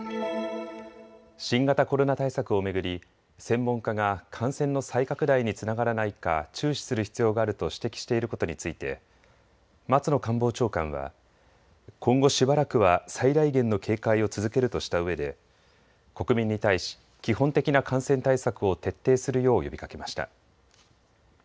新型コロナ対策を巡り専門家が感染の再拡大につながらないか注視する必要があると指摘していることについて松野官房長官は今後、しばらくは最大限の警戒を続けるとしたうえで国民に対し基本的な感染対策を徹底するよう呼びかけました。